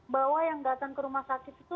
bahwa yang datang ke rumah sakit itu